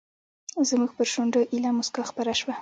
زموږ پر شونډو ایله موسکا خپره شوه.